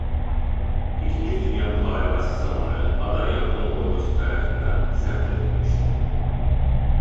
İkinci Dünya Müharibəsi zamanı ada yapon ordusu tərəfindən zəbt edilmişdi.